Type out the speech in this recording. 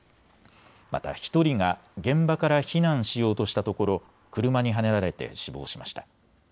また１人が現場から避難しようとしたところ車にはねられて死亡しました。